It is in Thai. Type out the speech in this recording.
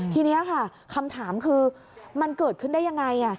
ทีนี้ค่ะคำถามคือมันเกิดขึ้นได้ยังไง